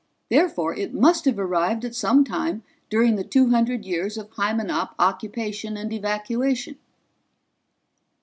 Therefore it must have arrived at some time during the two hundred years of Hymenop occupation and evacuation."